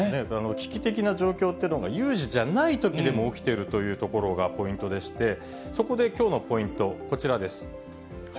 危機的な状況というのが、有事じゃないときでも起きてるというところがポイントでして、そこできょうのポイント、こちらです。